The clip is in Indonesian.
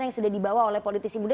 yang sudah dibawa oleh politisi muda